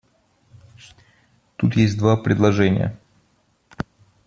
Тут есть два предложения.